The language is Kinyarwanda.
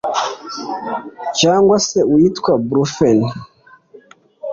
cyangwa se uwitwa brufen